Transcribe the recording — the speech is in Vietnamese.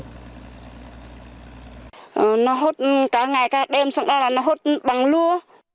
nó hút cả ngày cả đêm xong ra là nó hút bằng lua